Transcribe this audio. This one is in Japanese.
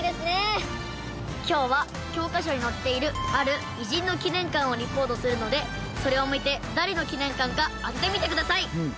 今日は教科書に載っているある偉人の記念館をリポートするのでそれを見て誰の記念館か当ててみてください。